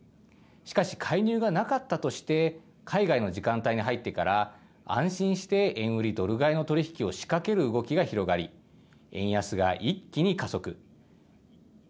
しかし、介入がなかったとして、海外の時間帯に入ってから、安心して円売りドル買いの取り引きを仕掛ける動きが広がり、円安が一気に加速。